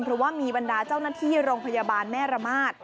เพราะว่ามีบรรดาเจ้าหน้าที่โรงพยาบาลแม่ระมาท